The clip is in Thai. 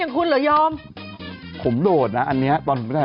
เอาข้ามหน่อย